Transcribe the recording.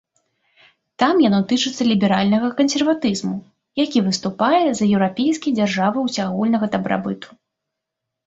Там яно тычыцца ліберальнага кансерватызму, які выступае за еўрапейскія дзяржавы ўсеагульнага дабрабыту.